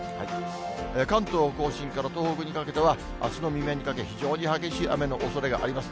関東甲信から東北にかけては、あすの未明にかけ、非常に激しい雨のおそれがあります。